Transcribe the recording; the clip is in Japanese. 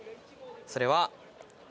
それは。